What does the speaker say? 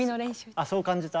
あっそう感じた？